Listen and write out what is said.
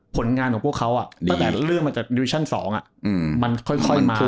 ผลงานของพวกเขาตั้งแต่เรื่องมาจากดิวิชั่น๒มันค่อยมา